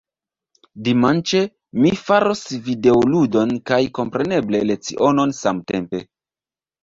Dimanĉe, mi faros videoludon kaj kompreneble lecionon samtempe.